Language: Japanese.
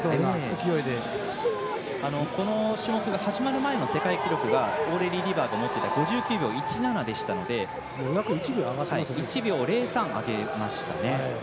この種目が始まる前の世界記録がオーレリー・リバーが持ってた５９秒１７でしたので１秒０３上げましたね。